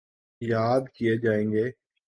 یاد کیے جائیں گے۔